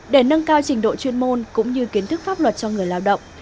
để nâng cao trình độ chuyên môn cũng như kiến thức pháp luật cho người lao động